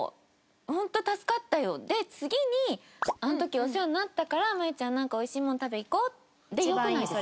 本当助かったよ」で次に「あの時お世話になったからマユちゃんなんか美味しいもの食べに行こう」でよくないですか？